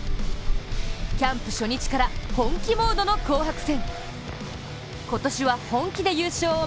キャンプ初日から本気モードの紅白戦。